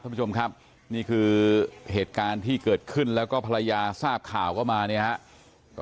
ท่านผู้ชมครับนี่คือเหตุการณ์ที่เกิดขึ้นแล้วก็ภรรยาทราบข่าวก็มาเนี่ยฮะ